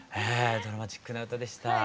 ドラマチックな歌でした。